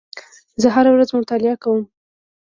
زه هره ورځ مطالعه کوم.